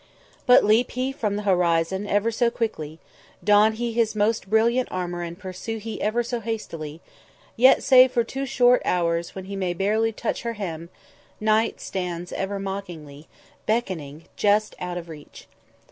But leap he from the horizon ever so quickly, don he his most brilliant armour and pursue he ever so hastily, yet, save for two short hours when he may barely touch her hem, Night stands ever mockingly, beckoning, just out of reach.